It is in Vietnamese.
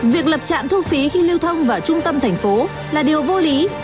việc lập trạm thu phí khi lưu thông vào trung tâm thành phố là điều vô lý